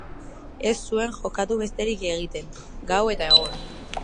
Ez zuen jokatu besterik egiten, gau eta egun.